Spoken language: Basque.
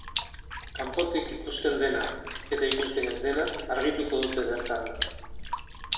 Kanpotik ikusten dena eta ikusten ez dena argituko dute bertan.